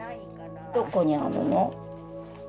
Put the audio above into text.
どこにあるの？